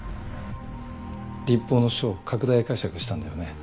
律法の書を拡大解釈したんだよね。